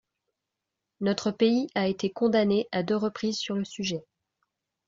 Notre pays a été condamné à deux reprises sur le sujet.